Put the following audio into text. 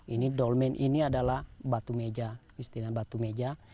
ini dolmen ini adalah batu meja istilah batu meja